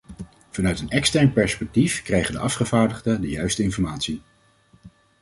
Vanuit een extern perspectief, krijgen de afgevaardigden de juiste informatie?